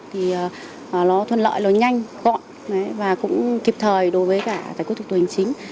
thì nó thuận lợi nó nhanh gọn và cũng kịp thời đối với cả giải quyết thủ tục hành chính